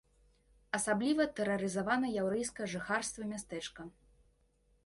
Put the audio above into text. Асабліва тэрарызавана яўрэйскае жыхарства мястэчка.